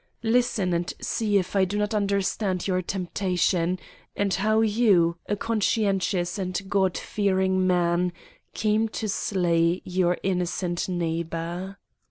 Listen and see if I do not understand your temptation, and how you, a conscientious and God fearing man, came to slay your innocent neighbor.